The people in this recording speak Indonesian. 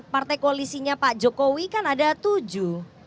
partai koalisinya pak jokowi kan ada tujuh